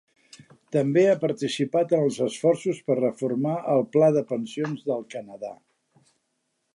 També ha participat en els esforços per reformar el Pla de pensions del Canadà.